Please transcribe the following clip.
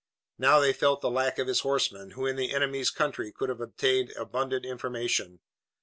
Now they felt the lack of his horsemen, who in the enemy's country could have obtained abundant information.